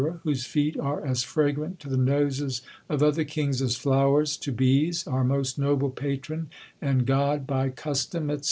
whose feet are as fragrant to the noses of other kings as flowers to bees; our most noble patron and god by custom," &c.